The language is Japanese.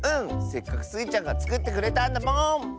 せっかくスイちゃんがつくってくれたんだもん！